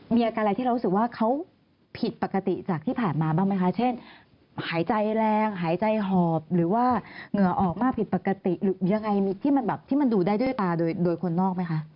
มีอาการอะไรที่เรารู้สึกว่าเขาผิดปกติจากที่ผ่านมาบ้างไหมคะเช่นหายใจแรงหายใจหอบหรือว่าเหงื่อออกมาผิดปกติหรือยังไงที่มันแบบที่มันดูได้ด้วยตาโดยคนนอกไหมคะ